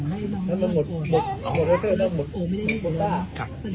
จริงแต่ประตูนี้ก็เหมือนซูนตรีแล้วพูดถาดเลย